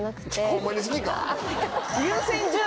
ホンマに好きか？